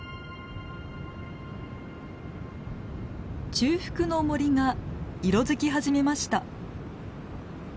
中腹の森が色づき始めました。